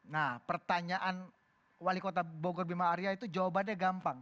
nah pertanyaan wali kota bogor bima arya itu jawabannya gampang